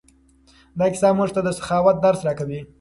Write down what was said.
دا کیسه موږ ته د سخاوت درس راکوي.